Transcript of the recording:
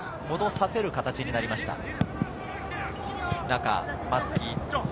戻させる形になりました。